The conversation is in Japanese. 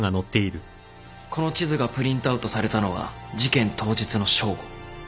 この地図がプリントアウトされたのは事件当日の正午。